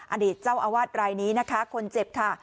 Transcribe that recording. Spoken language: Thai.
อดีตเจ้าอาวาสรายนี้นะคะคนเจ็บค่ะ